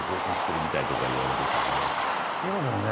今でもね